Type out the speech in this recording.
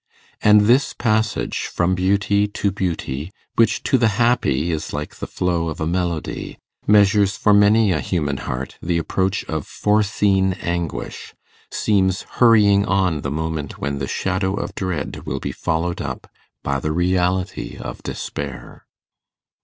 And this passage from beauty to beauty, which to the happy is like the flow of a melody, measures for many a human heart the approach of foreseen anguish seems hurrying on the moment when the shadow of dread will be followed up by the reality of despair.